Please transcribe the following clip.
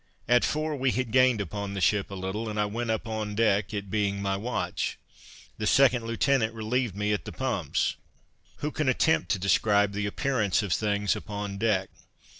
At four we had gained upon the ship a little, and I went upon deck, it being my watch. The second lieutenant relieved me at the pumps. Who can attempt to describe the appearance of things upon deck?